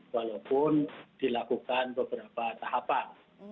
walaupun dilakukan beberapa tahapan